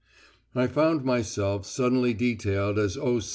I found myself suddenly detailed as O.